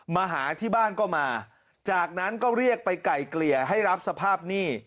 มาหาที่บ้านก็มาจากนั้นก็เรียกไปไก่เกลี่ยให้รับสภาพหนี้